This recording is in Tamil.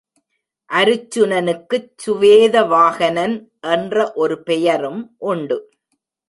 அருச்சுனனுக்குச் சுவேத வாகனன் என்ற ஒரு பெயரும் உண்டு.